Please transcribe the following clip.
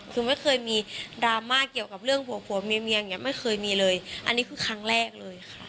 คือไม่เคยมีดราม่าเกี่ยวกับเรื่องผัวผัวเมียเมียอย่างเงี้ไม่เคยมีเลยอันนี้คือครั้งแรกเลยค่ะ